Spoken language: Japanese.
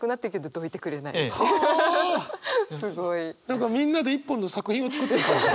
何かみんなで一本の作品を作ってる感じ。